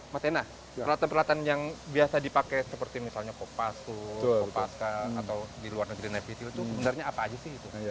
mas ena peralatan peralatan yang biasa dipakai seperti misalnya kopassus kopaska atau di luar negeri nepitil itu sebenarnya apa aja sih